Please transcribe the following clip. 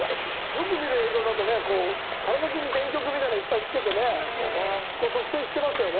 よく見る映像だとねこう体じゅうに電極みたいなのをいっぱいつけてね測定してますよね。